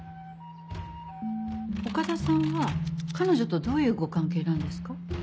岡田さんは彼女とどういうご関係なんですか？